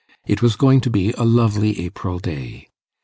It was going to be a lovely April day.